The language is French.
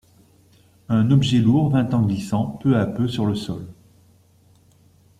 Un objet lourd vint en glissant peu à peu sur le sol.